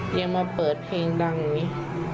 ยังมาเปิดเพลงดังไว้